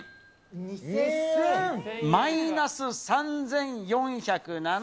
マイナス３４７８円。